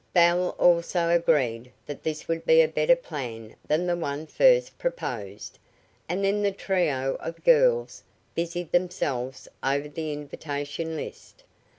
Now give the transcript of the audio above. Belle also agreed that this would be a better plan than the one first proposed, and then the trio of girls busied themselves over the invitation list.